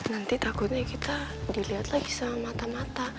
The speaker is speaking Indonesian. nanti takutnya kita dilihat lagi sama mata mata